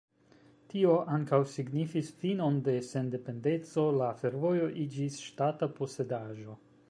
Tio ankaŭ signifis finon de sendependeco, la fervojo iĝis ŝtata posedaĵo.